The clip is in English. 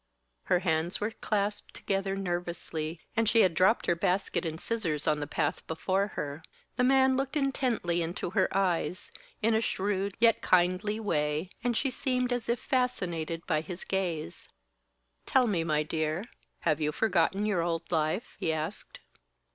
Her hands were clasped together nervously and she had dropped her basket and scissors on the path before her. The man looked intently into her eyes, in a shrewd yet kindly way, and she seemed as if fascinated by his gaze. "Tell me, my dear, have you forgotten your old life?" he asked.